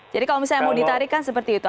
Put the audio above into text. jadi kalau misalnya mau ditarik kan seperti itu